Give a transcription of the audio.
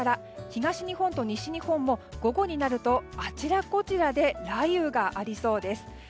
東日本と西日本も午後になると、あちらこちらで雷雨がありそうです。